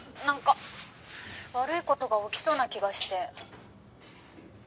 「なんか悪い事が起きそうな気がして」